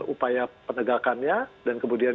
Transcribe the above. upaya penegakannya dan kemudian